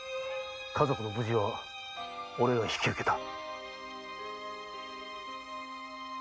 家族の無事はおれが引き受けた。